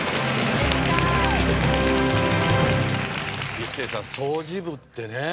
一生さん掃除部ってね。